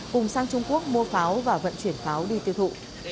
cùng sang trung quốc mua pháo và vận chuyển pháo đi tiêu thụ